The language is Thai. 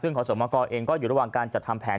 ซึ่งขอสมกรเองก็อยู่ระหว่างการจัดทำแผน